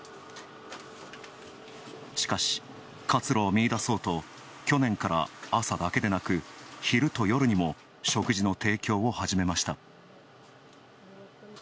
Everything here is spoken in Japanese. しかし、活路を見いだそうと去年から朝だけでなく、昼と夜にも食事の提供を始めました。